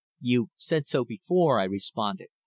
"You've said so before," I responded.